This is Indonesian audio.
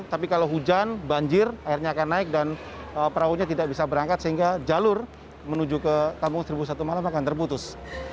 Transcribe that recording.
tapi kalau hujan banjir airnya akan naik dan perahunya tidak bisa berangkat sehingga jalur menuju ke kampung seribu satu malam akan terputus